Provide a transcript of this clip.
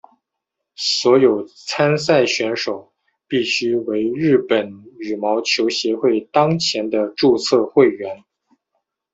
所有参赛选手必须为日本羽毛球协会当前的注册会员。